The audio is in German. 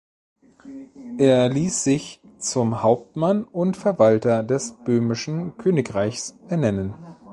Er ließ sich zum Hauptmann und Verwalter des böhmischen Königreichs ernennen.